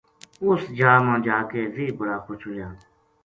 اُس جا ما جا کے ویہ بڑا خوش ہویا